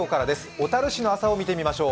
小樽市の朝を見てみましょう。